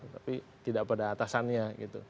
tapi tidak pada atasannya